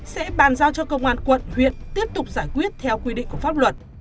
sẽ bàn giao cho công an quận huyện tiếp tục giải quyết theo quy định của pháp luật